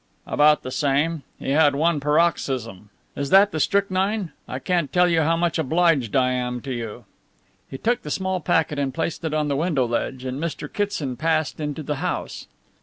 "About the same. He had one paroxysm. Is that the strychnine? I can't tell you how much obliged I am to you." He took the small packet and placed it on the window ledge and Mr. Kitson passed into the house.